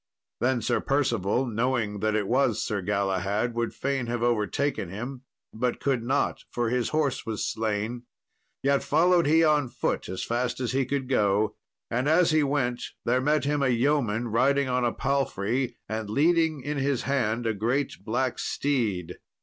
Then Sir Percival, knowing that it was Sir Galahad, would fain have overtaken him, but could not, for his horse was slain. Yet followed he on foot as fast as he could go; and as he went there met him a yeoman riding on a palfrey, and leading in his hand a great black steed.